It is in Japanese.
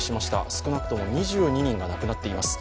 少なくとも２２人が亡くなっています。